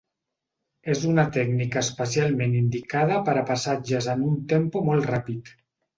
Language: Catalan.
És una tècnica especialment indicada per a passatges en un tempo molt ràpid.